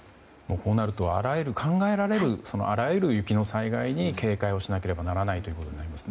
こうなると考えられるあらゆる雪の災害に警戒をしなければならないということになりますね。